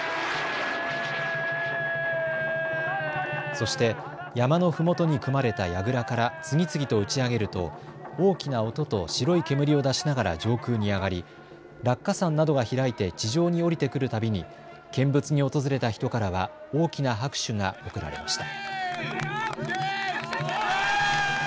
そして山のふもとに組まれたやぐらから次々と打ち上げると大きな音と白い煙を出しながら上空に上がり落下傘などが開いて地上に降りてくるたびに見物に訪れた人からは大きな拍手が送られました。